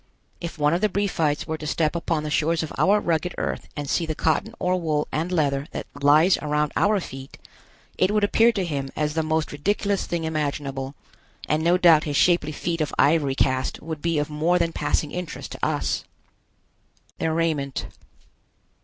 If one of the Briefites were to step upon the shores of our rugged Earth and see the cotton or wool and leather that lies around our feet, it would appear to him as the most ridiculous thing imaginable, and no doubt his shapely feet of ivory cast would be of more than passing interest to us. THEIR RAIMENT.